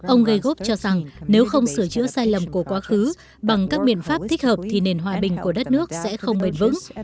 ông georgov cho rằng nếu không sửa chữa sai lầm của quá khứ bằng các biện pháp thích hợp thì nền hòa bình của đất nước sẽ không bền vững